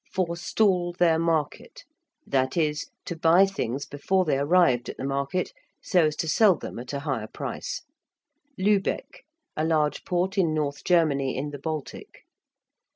~Forestall their market~: that is, to buy things before they arrived at the market, so as to sell them at a higher price. ~Lübeck~: a large port in north Germany in the Baltic.